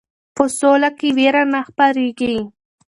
په سوله کې ویره نه خپریږي.